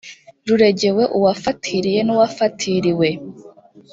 ruregewe uwafatiriye n uwafatiriwe